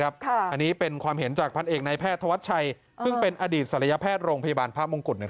อันนี้เป็นความเห็นจากพันเอกนายแพทย์ธวัชชัยซึ่งเป็นอดีตศัลยแพทย์โรงพยาบาลพระมงกุฎ